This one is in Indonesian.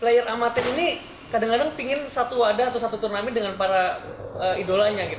player amatir ini kadang kadang ingin satu wadah atau satu turnamen dengan para idolanya